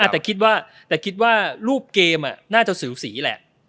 แต่คิดว่ารูปเกมน่าจะสือสีแหละ